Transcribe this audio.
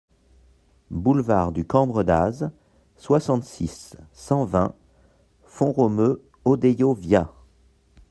Boulevard du Cambre d'Aze, soixante-six, cent vingt Font-Romeu-Odeillo-Via